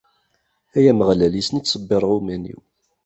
Ay Ameɣlal, yes-sen i ttṣebbireɣ iman-iw!